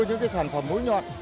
những sản phẩm mối nhọn